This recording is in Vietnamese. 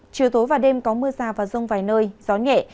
chiều tối và đêm có mưa rào và rông vài nơi gió nhẹ